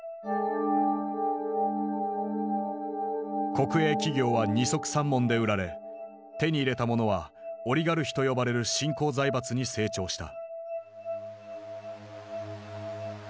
国営企業は二束三文で売られ手に入れた者はオリガルヒと呼ばれる新興財閥に成長した。